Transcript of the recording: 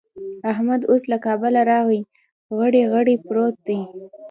احمد اوس له کابله راغی؛ غړي غړي پروت دی.